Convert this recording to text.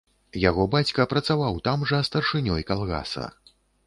Яго бацька працаваў там жа старшынёй калгаса.